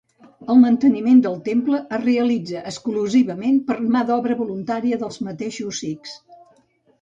El manteniment del temple es realitza exclusivament per mà d'obra voluntària dels mateixos sikhs.